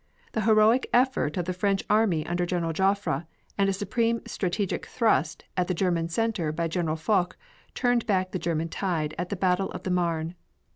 The heroic effort of the French army under General Joffre and a supreme strategic thrust at the German center by General Foch turned back the German tide at the battle of the Marne.